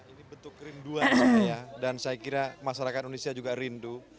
ini bentuk kerinduan saya dan saya kira masyarakat indonesia juga rindu